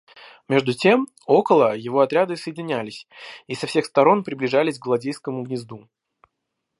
Между тем около его отряды соединялись и со всех сторон приближались к злодейскому гнезду.